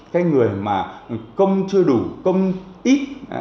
cái người mà công chưa đủ công ít